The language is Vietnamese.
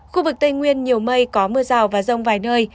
khu vực tây nguyên nhiều mây có mưa rào và rông vài nơi